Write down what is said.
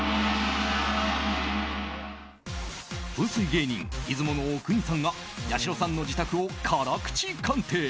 芸人・出雲阿国さんがやしろさんの自宅を辛口鑑定。